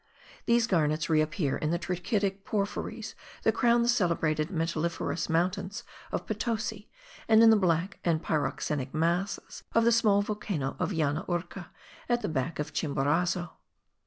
These garnets re appear in the trachytic porphyries that crown the celebrated metalliferous mountain of Potosi, and in the black and pyroxenic masses of the small volcano of Yana Urca, at the back of Chimborazo.